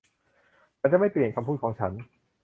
ฉันจะไม่เปลี่ยนคำพูดของฉัน